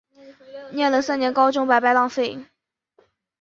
念了三年高中白白浪费